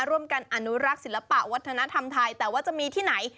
ร่วมกันอนุรักษ์ศิลปะวัฒนธรรมไทยแต่ว่าจะมีที่ไหน